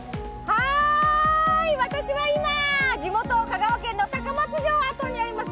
私は今、地元、香川県の高松城跡にあります